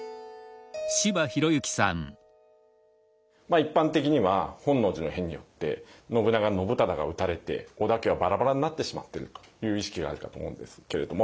一般的には本能寺の変によって信長信忠が討たれて織田家はバラバラになってしまってるという意識があるかと思うんですけれども。